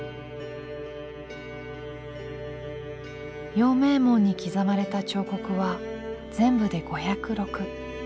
陽明門に刻まれた彫刻は全部で５０６。